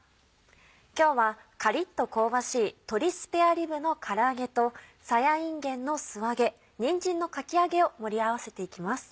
今日はカリっと香ばしい「鶏スペアリブのから揚げ」とさやいんげんの素揚げにんじんのかき揚げを盛り合わせていきます。